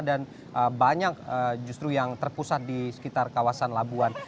dan banyak justru yang terpusat di sekitar kawasan labuan